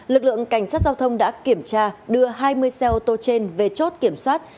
lực lượng cảnh sát giao thông đã kiểm tra đưa hai mươi xe ô tô trên về chốt kiểm soát